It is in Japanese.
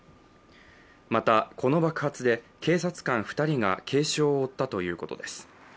また、この爆発で警察官２人が軽傷を負ったということです。